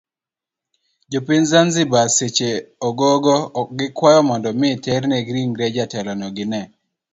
Jopiny zanziba seche ogogo gikwayo mondo mi terne ringre jatelono ginee